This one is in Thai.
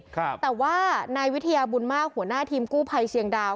ครับแต่ว่านายวิทยาบุญมากหัวหน้าทีมกู้ภัยเชียงดาว